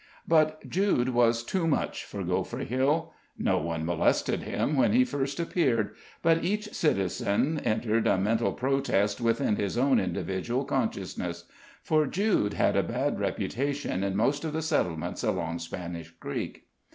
But Jude was too much for Gopher Hill. No one molested him when he first appeared, but each citizen entered a mental protest within his own individual consciousness; for Jude had a bad reputation in most of the settlements along Spanish Creek.